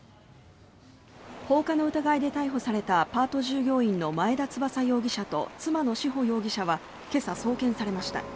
放火の疑いで逮捕されたパート従業員の前田翼容疑者と妻の志保容疑者は今朝、送検されました。